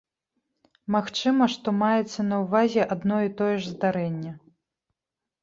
Магчыма, што маецца на ўвазе адно і тое ж здарэнне.